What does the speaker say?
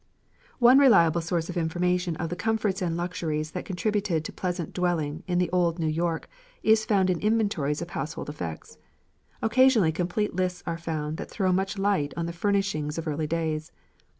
One reliable source of information of the comforts and luxuries that contributed to pleasant dwelling in old New York is found in old inventories of household effects. Occasionally complete lists are found that throw much light on the furnishings of early days.